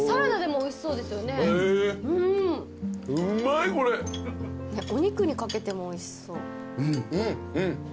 お肉に掛けてもおいしそう。